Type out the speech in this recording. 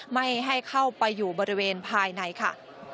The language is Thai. ไม่ให้เข้าไปอยู่บริเวณภายในค่ะ